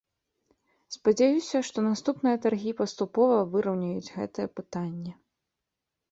Спадзяюся, што наступныя таргі паступова выраўняюць гэтае пытанне.